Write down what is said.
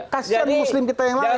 kasian muslim kita yang lain